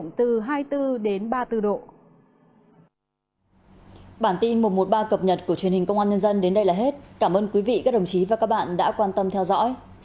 giao động từ hai mươi bốn ba mươi bốn độ